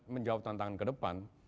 menjawab tantangan ke depan